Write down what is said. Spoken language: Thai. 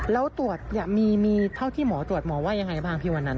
แล้วตรวจมีเท่าที่หมอตรวจหมอว่ายังไงบ้างพี่วันนั้น